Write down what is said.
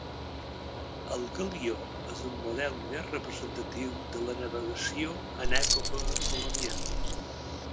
El galió és el model més representatiu de la navegació en l'època colonial.